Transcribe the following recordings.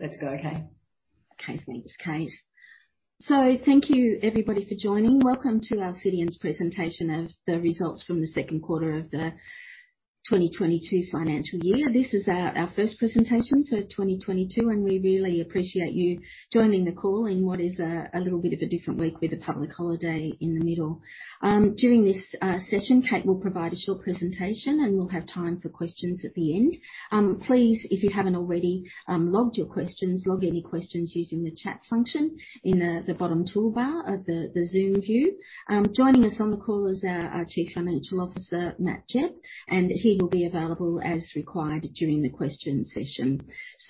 Let's go, Kaye. Okay. Thanks, Kate. Thank you everybody for joining. Welcome to Alcidion's presentation of the results from the second quarter of the 2022 financial year. This is our first presentation for 2022, and we really appreciate you joining the call in what is a little bit of a different week with a public holiday in the middle. During this session, Kate will provide a short presentation, and we'll have time for questions at the end. Please, if you haven't already, log any questions using the chat function in the bottom toolbar of the Zoom view. Joining us on the call is our Chief Financial Officer, Matt Gepp, and he will be available as required during the question session.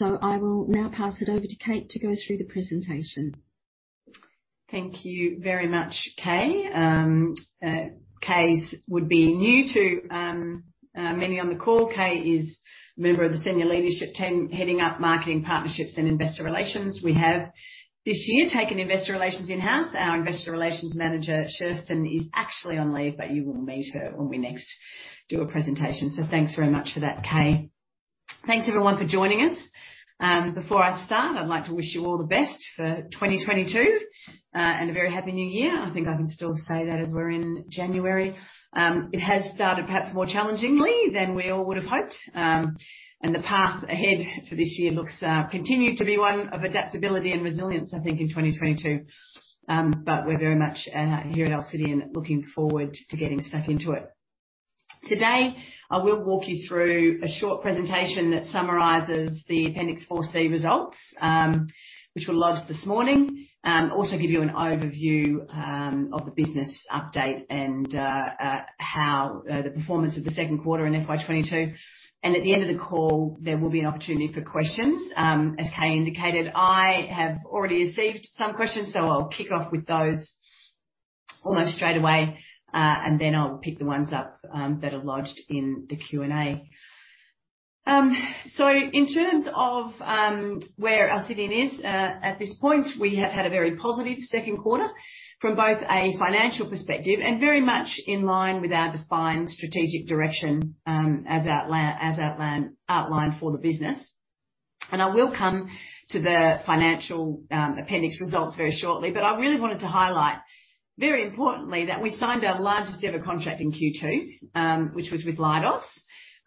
I will now pass it over to Kate to go through the presentation. Thank you very much, Kaye. Kaye would be new to many on the call. Kaye is a member of the senior leadership team heading up marketing, partnerships and investor relations. We have this year taken investor relations in-house. Our Investor Relations Manager, Kirsten, is actually on leave, but you will meet her when we next do a presentation. Thanks very much for that, Kaye. Thanks everyone for joining us. Before I start, I'd like to wish you all the best for 2022 and a very happy new year. I think I can still say that as we're in January. It has started perhaps more challengingly than we all would have hoped. The path ahead for this year looks continued to be one of adaptability and resilience, I think, in 2022. We're very much here at Alcidion looking forward to getting stuck into it. Today, I will walk you through a short presentation that summarizes the Appendix 4C results, which were lodged this morning. I'll also give you an overview of the business update and how the performance of the second quarter in FY 2022. At the end of the call there will be an opportunity for questions, as Kaye indicated. I have already received some questions, so I'll kick off with those almost straight away, and then I'll pick the ones up that are lodged in the Q&A. In terms of where Alcidion is at this point, we have had a very positive second quarter from both a financial perspective and very much in line with our defined strategic direction, as outlined for the business. I will come to the financial appendix results very shortly. I really wanted to highlight, very importantly, that we signed our largest ever contract in Q2, which was with Leidos,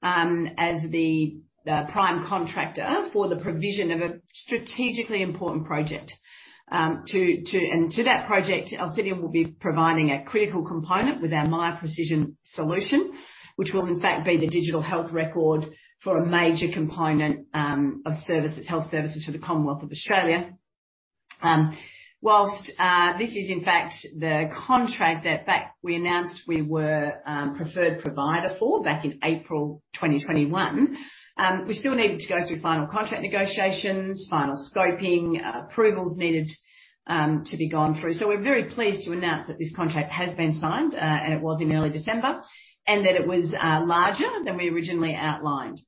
as the prime contractor for the provision of a strategically important project. To that project, Alcidion will be providing a critical component with our Miya Precision solution, which will in fact be the digital health record for a major component of health services for the Commonwealth of Australia. While this is in fact the contract that we announced we were preferred provider for back in April 2021, we still needed to go through final contract negotiations, final scoping, approvals needed to be gone through. We're very pleased to announce that this contract has been signed, and it was in early December, and that it was larger than we originally outlined.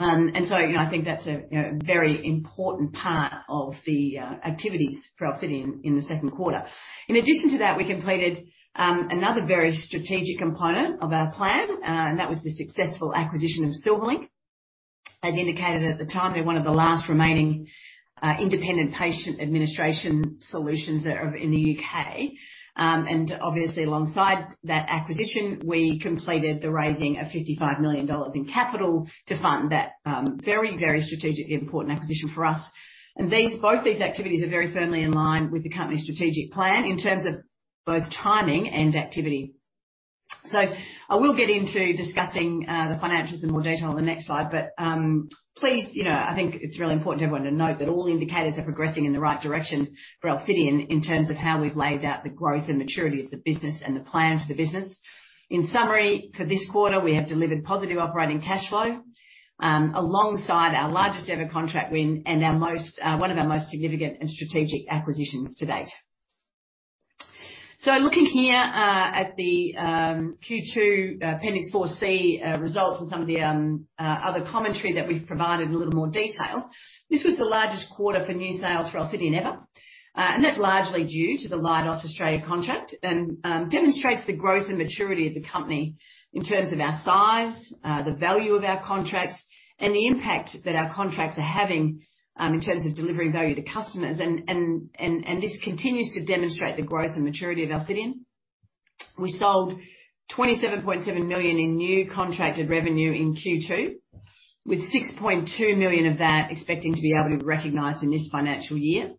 You know, I think that's a you know very important part of the activities for Alcidion in the second quarter. In addition to that, we completed another very strategic component of our plan, and that was the successful acquisition of Silverlink. As indicated at the time, they're one of the last remaining independent patient administration solutions that are in the U.K. Obviously alongside that acquisition, we completed the raising of 55 million dollars in capital to fund that, very strategically important acquisition for us. Both these activities are very firmly in line with the company's strategic plan in terms of both timing and activity. I will get into discussing the financials in more detail on the next slide. Please, you know, I think it's really important for everyone to note that all indicators are progressing in the right direction for Alcidion in terms of how we've laid out the growth and maturity of the business and the plan for the business. In summary, for this quarter, we have delivered positive operating cash flow, alongside our largest ever contract win and one of our most significant and strategic acquisitions to date. Looking here at the Q2 Appendix 4C results and some of the other commentary that we've provided in a little more detail. This was the largest quarter for new sales for Alcidion ever, and that's largely due to the Leidos Australia contract and demonstrates the growth and maturity of the company in terms of our size, the value of our contracts, and the impact that our contracts are having in terms of delivering value to customers. This continues to demonstrate the growth and maturity of Alcidion. We sold 27.7 million in new contracted revenue in Q2, with 6.2 million of that expecting to be able to be recognized in this financial year.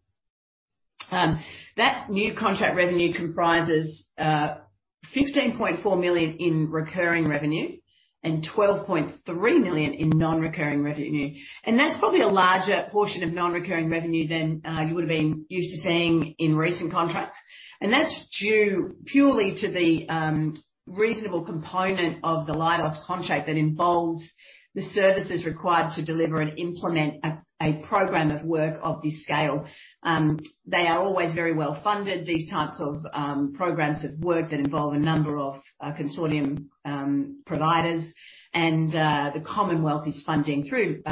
That new contract revenue comprises 15.4 million in recurring revenue and 12.3 million in non-recurring revenue. That's probably a larger portion of non-recurring revenue than you would have been used to seeing in recent contracts. That's due purely to the reasonable component of the Leidos contract that involves the services required to deliver and implement a program of work of this scale. They are always very well-funded, these types of programs of work that involve a number of consortium providers. The Commonwealth is funding through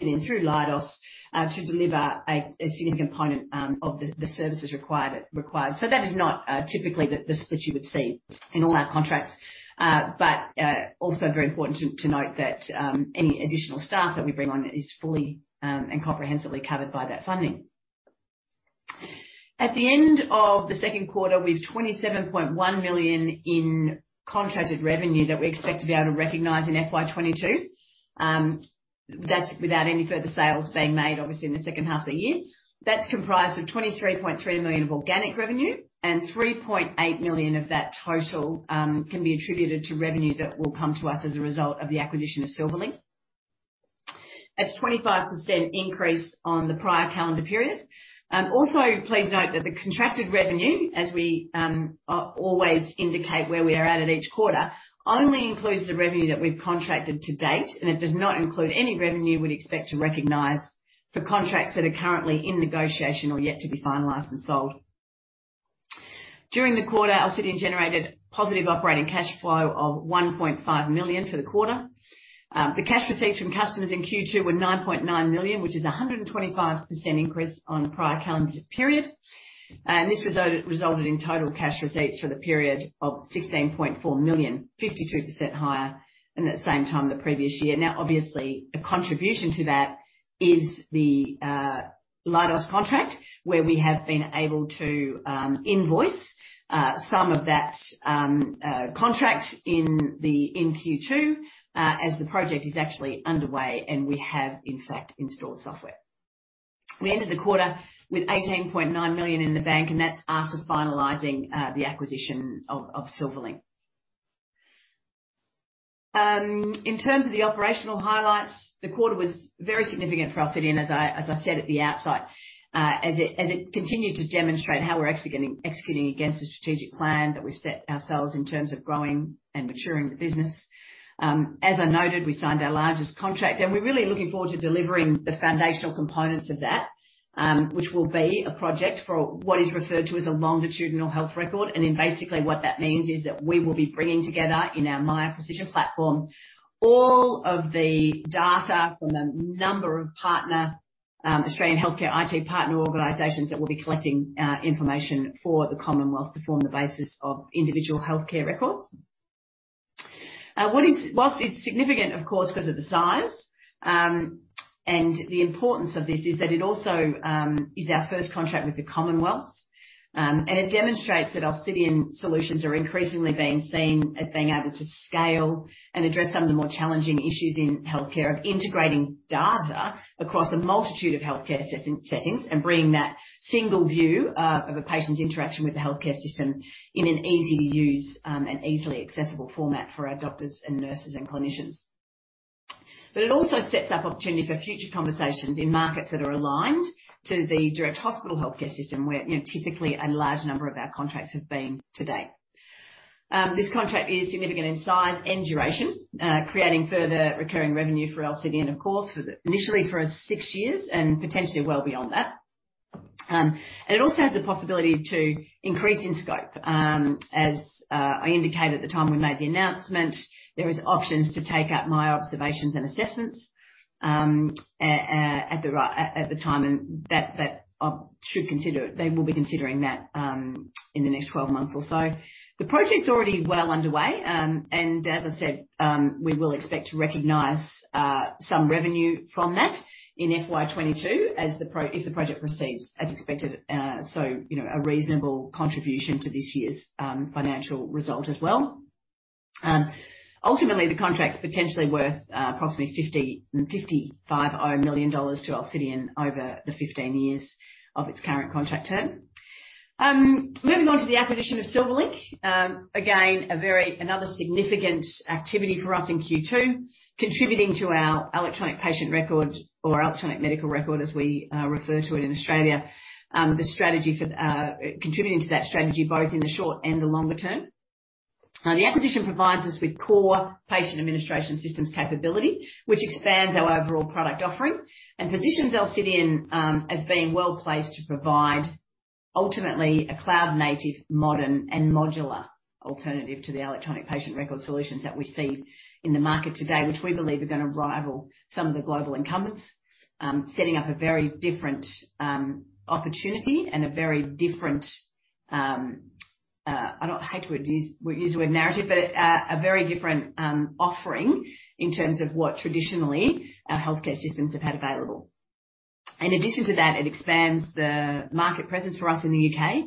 Leidos to deliver a significant component of the services required. That is not typically the split you would see in all our contracts. Also very important to note that any additional staff that we bring on is fully and comprehensively covered by that funding. At the end of the second quarter, we have 27.1 million in contracted revenue that we expect to be able to recognize in FY 2022. That's without any further sales being made, obviously, in the second half of the year. That's comprised of 23.3 million of organic revenue and 3.8 million of that total can be attributed to revenue that will come to us as a result of the acquisition of Silverlink. That's 25% increase on the prior calendar period. Also please note that the contracted revenue, as we always indicate where we are at each quarter, only includes the revenue that we've contracted to date, and it does not include any revenue we'd expect to recognize for contracts that are currently in negotiation or yet to be finalized and sold. During the quarter, Alcidion generated positive operating cash flow of 1.5 million for the quarter. The cash receipts from customers in Q2 were 9.9 million, which is a 125% increase on the prior calendar period. This resulted in total cash receipts for the period of 16.4 million, 52% higher than that same time the previous year. Now obviously, a contribution to that is the Leidos contract, where we have been able to invoice some of that contract in Q2, as the project is actually underway, and we have in fact installed software. We ended the quarter with 18.9 million in the bank, and that's after finalizing the acquisition of Silverlink. In terms of the operational highlights, the quarter was very significant for Alcidion, as I said at the outset, as it continued to demonstrate how we're executing against the strategic plan that we set ourselves in terms of growing and maturing the business. As I noted, we signed our largest contract, and we're really looking forward to delivering the foundational components of that, which will be a project for what is referred to as a longitudinal health record. Then basically what that means is that we will be bringing together in our Miya Observations platform all of the data from a number of partner Australian healthcare IT partner organizations that will be collecting information for the Commonwealth to form the basis of individual healthcare records. While it's significant of course because of the size, and the importance of this is that it also is our first contract with the Commonwealth. It demonstrates that Alcidion solutions are increasingly being seen as being able to scale and address some of the more challenging issues in healthcare of integrating data across a multitude of healthcare settings and bringing that single view of a patient's interaction with the healthcare system in an easy-to-use and easily accessible format for our doctors and nurses and clinicians. It also sets up opportunity for future conversations in markets that are aligned to the direct hospital healthcare system, where you know, typically a large number of our contracts have been to date. This contract is significant in size and duration, creating further recurring revenue for Alcidion of course, initially for six years and potentially well beyond that. It also has the possibility to increase in scope. As I indicated at the time we made the announcement, there is options to take up Miya Observations and Assessments at the time, and that should consider it. They will be considering that in the next 12 months or so. The project's already well underway, and as I said, we will expect to recognize some revenue from that in FY 2022 if the project proceeds as expected. You know, a reasonable contribution to this year's financial result as well. Ultimately, the contract's potentially worth approximately 55-odd million dollars to Alcidion over the 15 years of its current contract term. Moving on to the acquisition of Silverlink. Again, another significant activity for us in Q2, contributing to our electronic patient record or electronic medical record as we refer to it in Australia. The strategy for contributing to that strategy both in the short and the longer term. The acquisition provides us with core patient administration systems capability, which expands our overall product offering and positions Alcidion as being well-placed to provide ultimately a cloud-native, modern and modular alternative to the electronic patient record solutions that we see in the market today, which we believe are gonna rival some of the global incumbents. Setting up a very different opportunity and a very different, I hate to use the word narrative, but a very different offering in terms of what traditionally our healthcare systems have had available. In addition to that, it expands the market presence for us in the U.K.,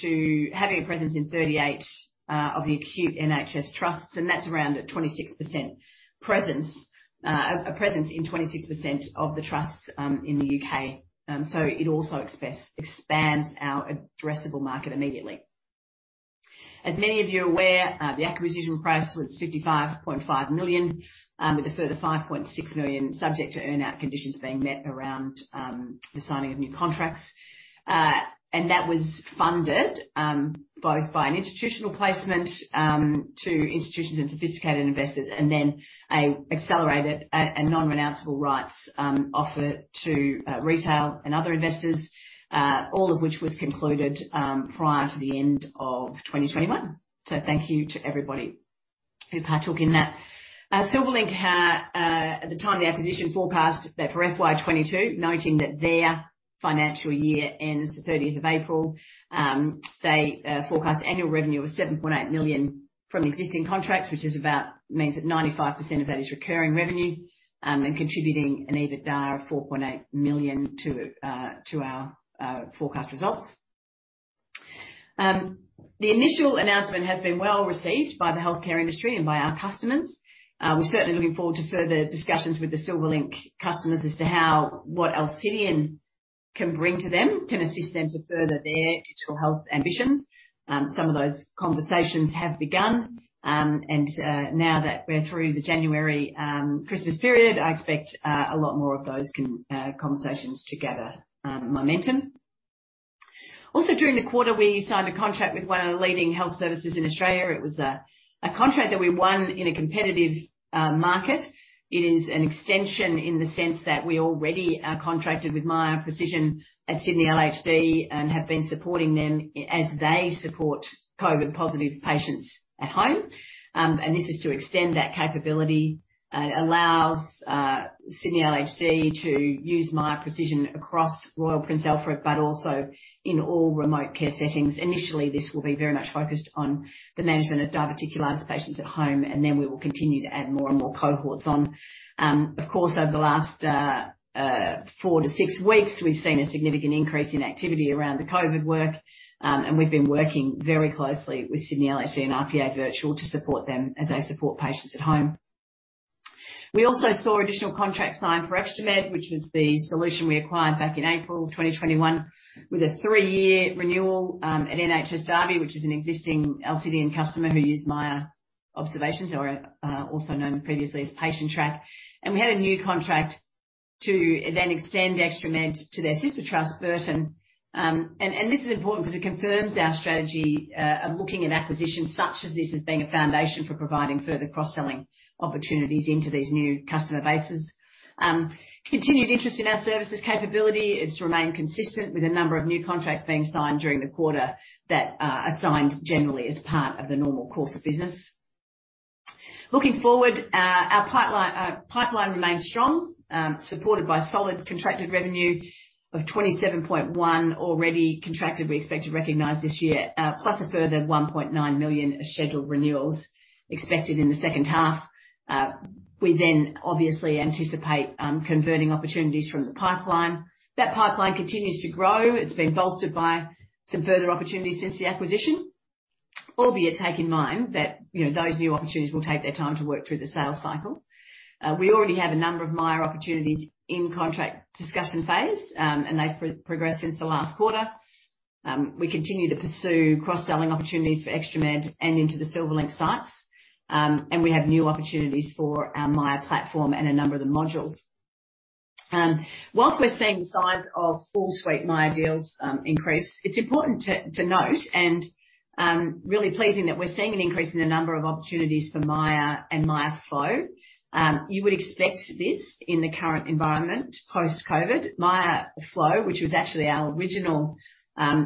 to having a presence in 38 of the acute NHS trusts, and that's around a 26% presence, a presence in 26% of the trusts in the U.K. It also expands our addressable market immediately. As many of you are aware, the acquisition price was 55.5 million, with a further 5.6 million subject to earn-out conditions being met around the signing of new contracts. And that was funded both by an institutional placement to institutions and sophisticated investors, and then an accelerated non-renounceable rights offer to retail and other investors. All of which was concluded prior to the end of 2021. Thank you to everybody who partook in that. Silverlink had, at the time of the acquisition, forecast that for FY 2022, noting that their financial year ends the 13th of April, they forecast annual revenue of 7.8 million from existing contracts, which means that 95% of that is recurring revenue, and contributing an EBITDA of 4.8 million to our forecast results. The initial announcement has been well-received by the healthcare industry and by our customers. We're certainly looking forward to further discussions with the Silverlink customers as to what Alcidion can bring to them to assist them to further their digital health ambitions. Some of those conversations have begun, and now that we're through the January Christmas period, I expect a lot more of those conversations to gather momentum. Also, during the quarter, we signed a contract with one of the leading health services in Australia. It was a contract that we won in a competitive market. It is an extension in the sense that we already are contracted with Miya Precision at Sydney LHD and have been supporting them as they support COVID-positive patients at home. This is to extend that capability. It allows Sydney LHD to use Miya Precision across Royal Prince Alfred, but also in all remote care settings. Initially, this will be very much focused on the management of diverted patients at home, and then we will continue to add more and more cohorts on. Of course, over the last four to six weeks, we've seen a significant increase in activity around the COVID work, and we've been working very closely with Sydney LHD and RPA Virtual to support them as they support patients at home. We also saw additional contracts signed for ExtraMed, which was the solution we acquired back in April 2021, with a three-year renewal, at NHS Derby, which is an existing Alcidion customer who use Miya Observations or also known previously as Patientrack. We had a new contract to then extend ExtraMed to their sister trust, Burton. This is important 'cause it confirms our strategy of looking at acquisitions such as this as being a foundation for providing further cross-selling opportunities into these new customer bases. Continued interest in our services capability. It's remained consistent with a number of new contracts being signed during the quarter that are signed generally as part of the normal course of business. Looking forward, our pipeline remains strong, supported by solid contracted revenue of 27.1 million already contracted, we expect to recognize this year, plus a further 1.9 million scheduled renewals expected in the second half. We then obviously anticipate converting opportunities from the pipeline. That pipeline continues to grow. It's been bolstered by some further opportunities since the acquisition, albeit bear in mind that, you know, those new opportunities will take their time to work through the sales cycle. We already have a number of Miya opportunities in contract discussion phase, and they've progressed since the last quarter. We continue to pursue cross-selling opportunities for ExtraMed and into the Silverlink sites. We have new opportunities for our Miya platform and a number of the modules. While we're seeing the size of full suite Miya deals increase, it's important to note, and really pleasing that we're seeing an increase in the number of opportunities for Miya and Miya Flow. You would expect this in the current environment post-COVID. Miya Flow, which was actually our original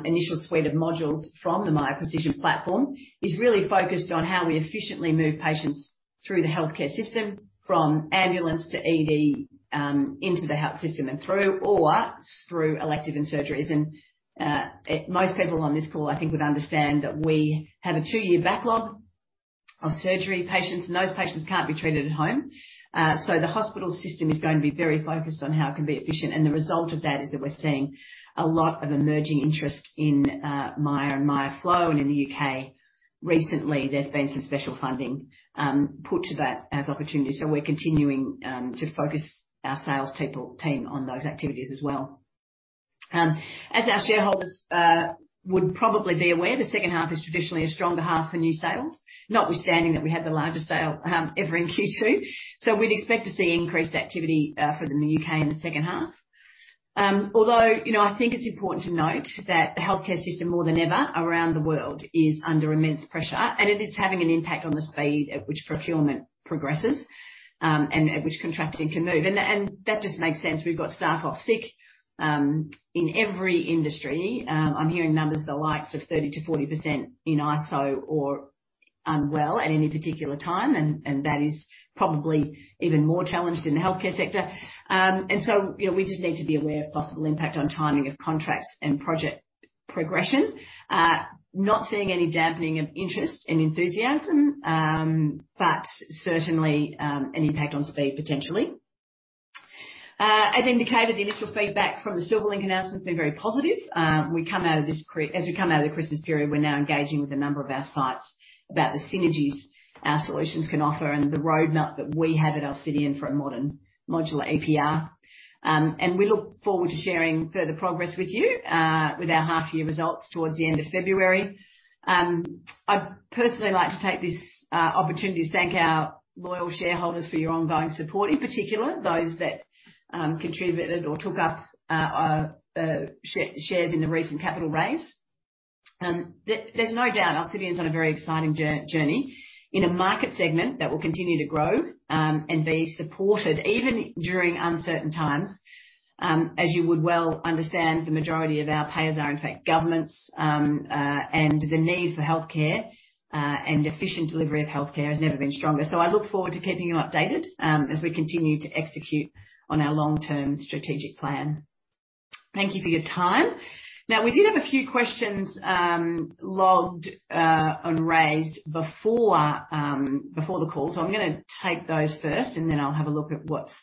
initial suite of modules from the Miya Precision platform, is really focused on how we efficiently move patients through the healthcare system from ambulance to ED into the health system and through elective surgeries. Most people on this call, I think, would understand that we have a two-year backlog of surgery patients, and those patients can't be treated at home. The hospital system is going to be very focused on how it can be efficient, and the result of that is that we're seeing a lot of emerging interest in Miya and Miya Flow in the U.K. Recently, there's been some special funding put to that as opportunities, so we're continuing to focus our sales team on those activities as well. As our shareholders would probably be aware, the second half is traditionally a stronger half for new sales, notwithstanding that we had the largest sale ever in Q2, so we'd expect to see increased activity from the U.K. in the second half. Although, you know, I think it's important to note that the healthcare system more than ever around the world is under immense pressure, and it is having an impact on the speed at which procurement progresses, and at which contracting can move. That just makes sense. We've got staff off sick in every industry. I'm hearing numbers the likes of 30%-40% isolated or unwell at any particular time, and that is probably even more challenged in the healthcare sector. You know, we just need to be aware of possible impact on timing of contracts and project progression. Not seeing any dampening of interest and enthusiasm, but certainly an impact on speed potentially. As indicated, the initial feedback from the Silverlink announcement has been very positive. As we come out of the Christmas period, we're now engaging with a number of our sites about the synergies our solutions can offer and the roadmap that we have at Alcidion for a modern modular EPR. We look forward to sharing further progress with you with our half year results towards the end of February. I'd personally like to take this opportunity to thank our loyal shareholders for your ongoing support. In particular, those that contributed or took up shares in the recent capital raise. There's no doubt Alcidion's on a very exciting journey in a market segment that will continue to grow and be supported even during uncertain times. As you would well-understand, the majority of our payers are in fact governments, and the need for healthcare and efficient delivery of healthcare has never been stronger. I look forward to keeping you updated as we continue to execute on our long-term strategic plan. Thank you for your time. Now, we did have a few questions logged and raised before the call, so I'm gonna take those first and then I'll have a look at what's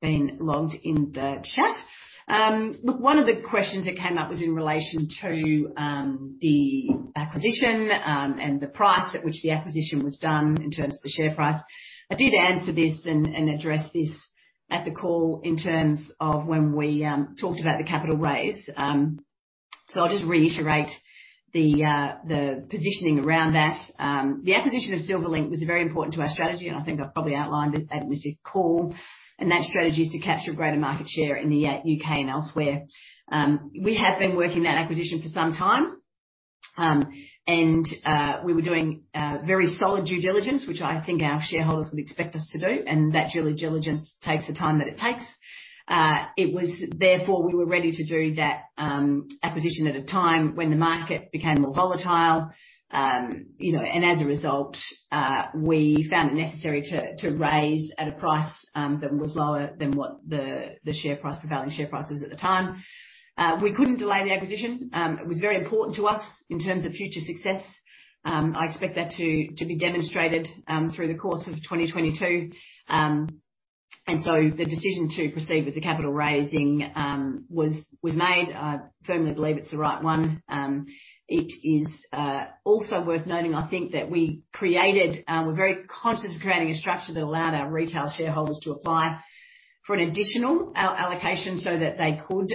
been logged in the chat. Look, one of the questions that came up was in relation to the acquisition and the price at which the acquisition was done in terms of the share price. I did answer this and address this at the call in terms of when we talked about the capital raise. I'll just reiterate the positioning around that. The acquisition of Silverlink was very important to our strategy, and I think I've probably outlined it at this call, and that strategy is to capture greater market share in the U.K. and elsewhere. We have been working that acquisition for some time. We were doing very solid due diligence, which I think our shareholders would expect us to do, and that due diligence takes the time that it takes. It was therefore we were ready to do that acquisition at a time when the market became more volatile. You know, as a result, we found it necessary to raise at a price that was lower than what the prevailing share price was at the time. We couldn't delay the acquisition. It was very important to us in terms of future success. I expect that to be demonstrated through the course of 2022. The decision to proceed with the capital raising was made. I firmly believe it's the right one. It is also worth noting, I think, that we're very conscious of creating a structure that allowed our retail shareholders to apply for an additional allocation so that they could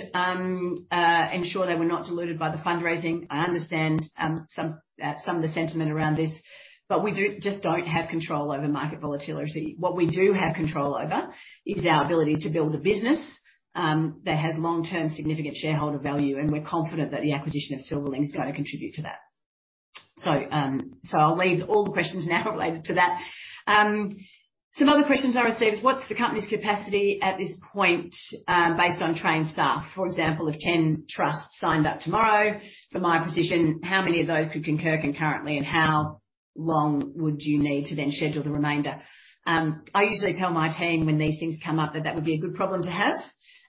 ensure they were not diluted by the fundraising. I understand some of the sentiment around this, but we just don't have control over market volatility. What we do have control over is our ability to build a business that has long-term significant shareholder value, and we're confident that the acquisition of Silverlink is going to contribute to that. I'll leave all the questions now related to that. Some other questions I received. What's the company's capacity at this point, based on trained staff? For example, if 10 trusts signed up tomorrow for Miya Precision, how many of those could occur concurrently, and how long would you need to then schedule the remainder? I usually tell my team when these things come up that that would be a good problem to have.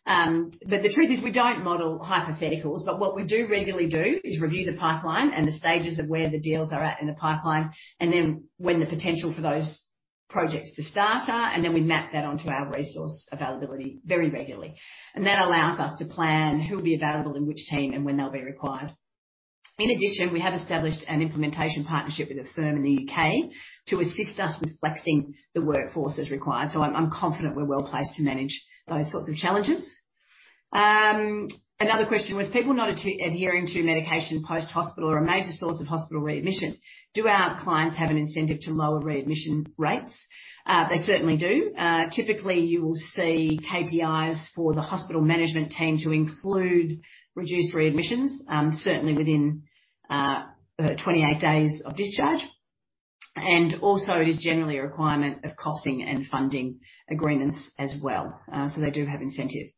The truth is we don't model hypotheticals, but what we do regularly do is review the pipeline and the stages of where the deals are at in the pipeline, and then when the potential for those projects to start are, and then we map that onto our resource availability very regularly. That allows us to plan who will be available in which team and when they'll be required. In addition, we have established an implementation partnership with a firm in the U.K. to assist us with flexing the workforce as required. I'm confident we're well-placed to manage those sorts of challenges. Another question was, people not adhering to medication post-hospital are a major source of hospital readmission. Do our clients have an incentive to lower readmission rates? They certainly do. Typically, you will see KPIs for the hospital management team to include reduced readmissions, certainly within 28 days of discharge. Also, it is generally a requirement of costing and funding agreements as well. They do have incentive.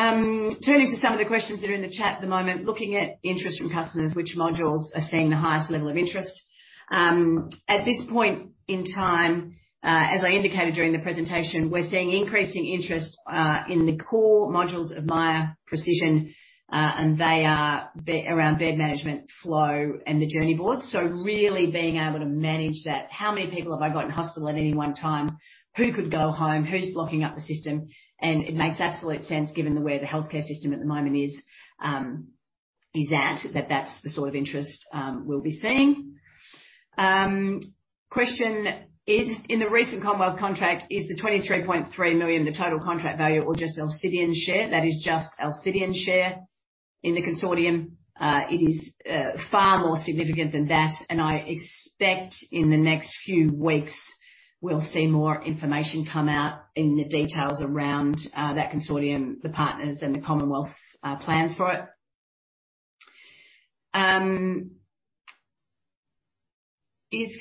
Turning to some of the questions that are in the chat at the moment. Looking at interest from customers, which modules are seeing the highest level of interest? At this point in time, as I indicated during the presentation, we're seeing increasing interest in the core modules of Miya Precision, and they are around bed management flow and the journey boards. Really being able to manage that. How many people have I got in hospital at any one time? Who could go home? Who's blocking up the system? It makes absolute sense given the way the healthcare system at the moment is, that that's the sort of interest we'll be seeing. Question is, in the recent Commonwealth contract, is the 23.3 million the total contract value or just Alcidion's share? That is just Alcidion's share in the consortium. It is far more significant than that, and I expect in the next few weeks we'll see more information come out in the details around that consortium, the partners and the Commonwealth's plans for it. Is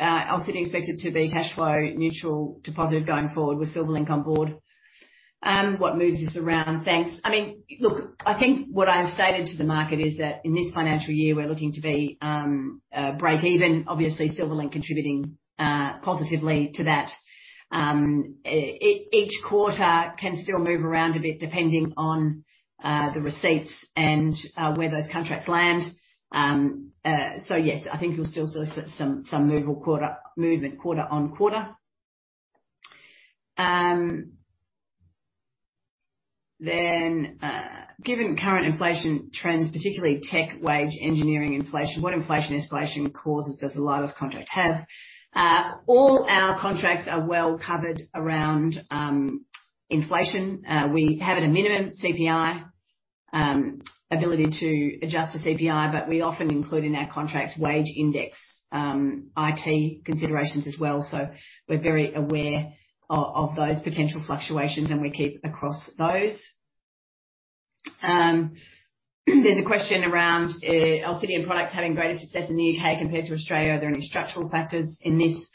Alcidion expected to be cash flow neutral to positive going forward with Silverlink on board? What moves this around? Thanks. I mean, look, I think what I have stated to the market is that in this financial year, we're looking to be breakeven, obviously Silverlink contributing positively to that. Each quarter can still move around a bit depending on the receipts and where those contracts land. So yes, I think you'll still see some movement quarter on quarter. Given current inflation trends, particularly tech wage engineering inflation, what inflation causes does the latest contract have? All our contracts are well-covered around inflation. We have at a minimum CPI ability to adjust to CPI, but we often include in our contracts wage index IT considerations as well. We're very aware of those potential fluctuations and we keep across those. There's a question around Alcidion products having greater success in the U.K. compared to Australia, are there any structural factors in this?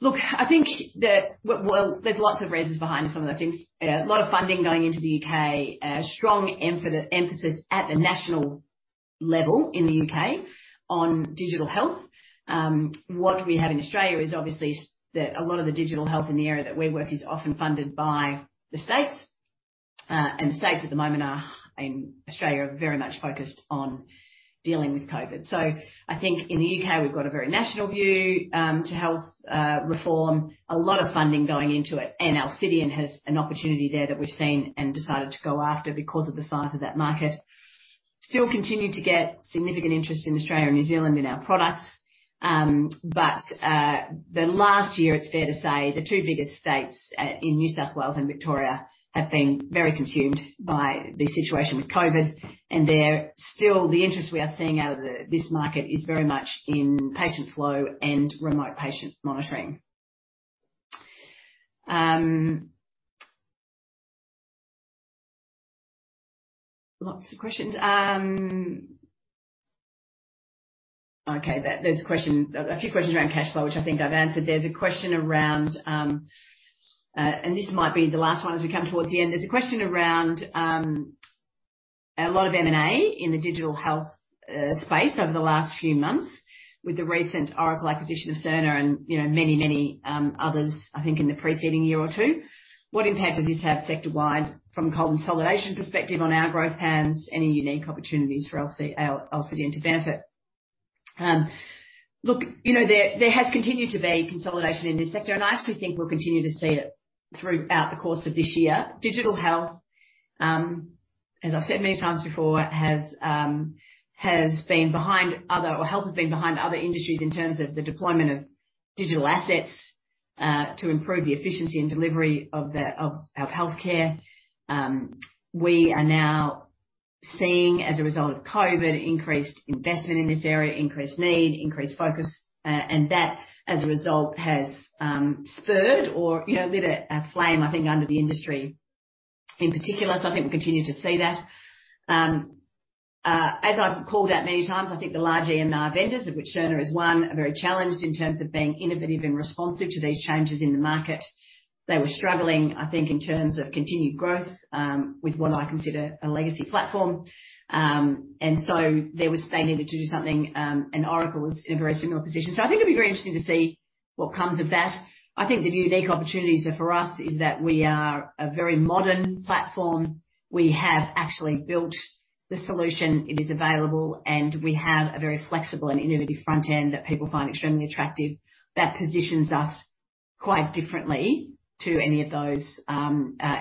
Look, I think that, well, there's lots of reasons behind some of the things. A lot of funding going into the U.K., a strong emphasis at the national level in the U.K. on digital health. What we have in Australia is obviously that a lot of the digital health in the area that we work is often funded by the states. The states at the moment, in Australia, are very much focused on dealing with COVID. I think in the U.K., we've got a very national view to health reform, a lot of funding going into it, and Alcidion has an opportunity there that we've seen and decided to go after because of the size of that market. We still continue to get significant interest in Australia and New Zealand in our products. The last year, it's fair to say the two biggest states in New South Wales and Victoria have been very consumed by the situation with COVID, and they're... Still, the interest we are seeing out of this market is very much in patient flow and remote patient monitoring. Lots of questions. Okay. There's a question, a few questions around cash flow, which I think I've answered. There's a question around, and this might be the last one as we come towards the end. There's a question around a lot of M&A in the digital health space over the last few months with the recent Oracle acquisition of Cerner and, you know, many others, I think, in the preceding year or two. What impact does this have sector-wide from a consolidation perspective on our growth plans? Any unique opportunities for Alcidion to benefit? Look, you know, there has continued to be consolidation in this sector, and I actually think we'll continue to see it throughout the course of this year. Digital health, as I've said many times before, has been behind other industries or health has been behind other industries in terms of the deployment of digital assets to improve the efficiency and delivery of healthcare. We are now seeing, as a result of COVID, increased investment in this area, increased need, increased focus, and that, as a result, has spurred or, you know, lit a flame, I think, under the industry. In particular, I think we'll continue to see that. As I've called out many times, I think the large EMR vendors, of which Cerner is one, are very challenged in terms of being innovative and responsive to these changes in the market. They were struggling, I think, in terms of continued growth, with what I consider a legacy platform. They needed to do something, and Oracle is in a very similar position. I think it'll be very interesting to see what comes of that. I think the unique opportunities there for us is that we are a very modern platform. We have actually built the solution. It is available, and we have a very flexible and innovative front end that people find extremely attractive that positions us quite differently to any of those,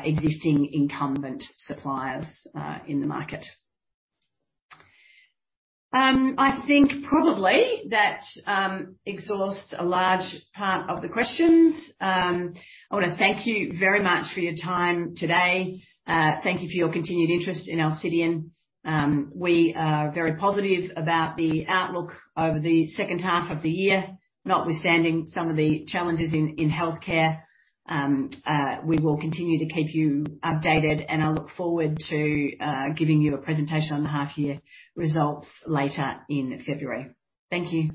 existing incumbent suppliers, in the market. I think probably that exhausts a large part of the questions. I wanna thank you very much for your time today. Thank you for your continued interest in Alcidion. We are very positive about the outlook over the second half of the year, notwithstanding some of the challenges in healthcare. We will continue to keep you updated, and I look forward to giving you a presentation on the half year results later in February. Thank you.